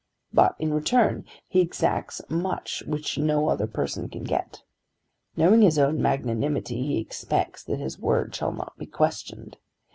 But in return he exacts much which no other person can get. Knowing his own magnanimity he expects that his word shall not be questioned.